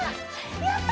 やった！